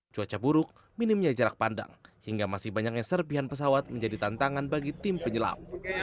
cuaca buruk minimnya jarak pandang hingga masih banyaknya serpihan pesawat menjadi tantangan bagi tim penyelam